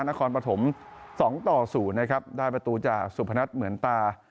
นาคนปะถมสองต่อก็น่ะครับได้ประตูจากสุพณฑ์เหมือนตา